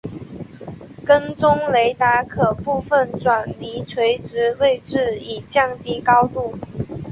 跟踪雷达可部分转离垂直位置以降低高度。